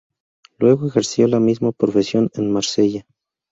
Luego ejerció la misma profesión en Marsella.